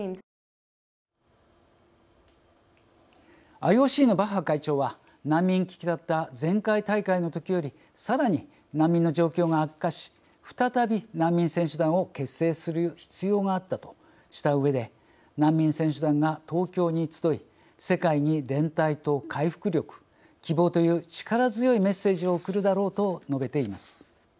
ＩＯＣのバッハ会長は難民危機だった前回大会のときよりさらに難民の状況が悪化し再び難民選手団を結成する必要があったとしたうえで「難民選手団が東京に集い世界に連帯と回復力、希望という力強いメッセージを送るだろう」と述べています。